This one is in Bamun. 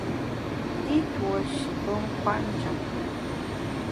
I tuo shi pe kwet njap.